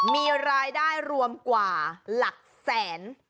มีรายได้รวมกว่าหลักแสน